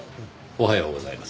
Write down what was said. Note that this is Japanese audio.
おはようございます。